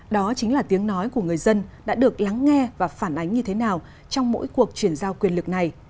đó chính là tiếng nói của người dân đã được lắng nghe và phản ánh như thế nào trong mỗi cuộc chuyển giao quyền lực này